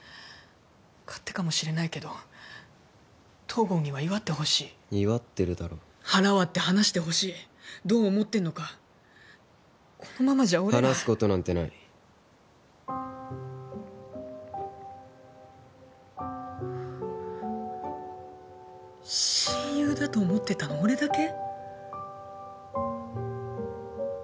勝手かもしれないけど東郷には祝ってほしい祝ってるだろ腹割って話してほしいどう思ってんのかこのままじゃ俺ら話すことなんてない親友だと思ってたの俺だけ？